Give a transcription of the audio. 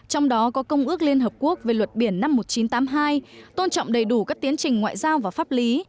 trong đó có công ước liên hợp quốc về luật biển năm một nghìn chín trăm tám mươi hai tôn trọng đầy đủ các tiến trình ngoại giao và pháp lý